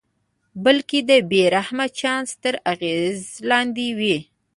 بلکې د بې رحمه چانس تر اغېز لاندې وي.